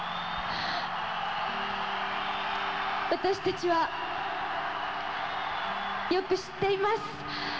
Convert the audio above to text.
私たちはよく知っています。